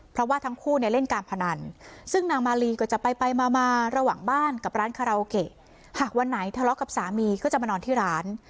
เพราะว่าทั้งคู่เนี่ยเล่นการพนันซึ่งนางมาลีก็จะไปไปมามาระหว่างบ้านกับร้านคาราโอเกะหากวันไหนทะเลาะกับสามีก็จะมานอนที่ร้าน